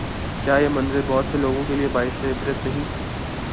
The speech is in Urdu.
کیا یہ منظر بہت سے لوگوں کے لیے باعث عبرت نہیں؟